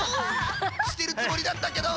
してるつもりだったけど！